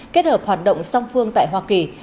kết hợp hoạt động song phương tại hoa kỳ